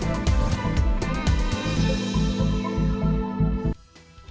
hanya dengan pengetahuan yang terhadap anak anak